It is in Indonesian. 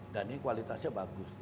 dan ini kualitasnya bagus